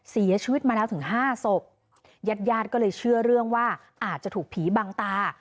เสียชีวิตมาแล้วถึงห้าศพญาติญาติก็เลยเชื่อเรื่องว่าอาจจะถูกผีบังตา